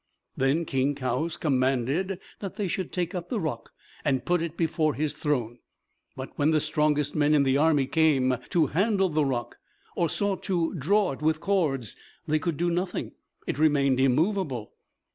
Then King Kaoüs commanded that they should take up the rock and put it before his throne. But when the strongest men in the army came to handle the rock, or sought to draw it with cords, they could do nothing; it remained immovable.